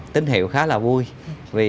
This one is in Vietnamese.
tín hiệu khá là vui